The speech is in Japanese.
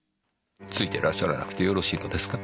付いていらっしゃらなくてよろしいのですか？